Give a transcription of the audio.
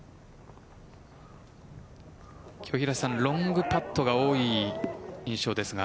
ロングパットが多い印象ですが。